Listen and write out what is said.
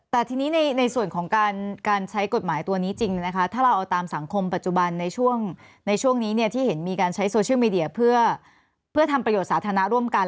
แต่ทีนี้ในส่วนของการใช้กฎหมายตัวนี้จริงนะคะถ้าเราเอาตามสังคมปัจจุบันในช่วงนี้ที่เห็นมีการใช้โซเชียลมีเดียเพื่อทำประโยชน์สาธารณะร่วมกัน